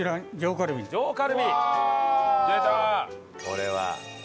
これは。